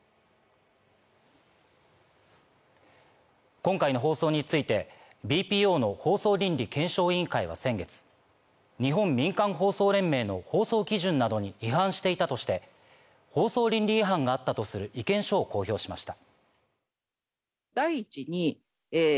今回の放送についてＢＰＯの放送倫理検証委員会は先月、日本民間放送連盟の放送基準などに違反していたとして、放送倫理違反があったとする意見書を公表しました。